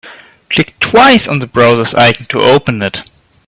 Click twice on the browser's icon to open it.